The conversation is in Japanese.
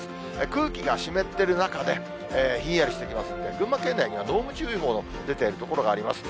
空気が湿ってる中で、ひんやりしてきますんで、群馬県内には濃霧注意報の出ている所があります。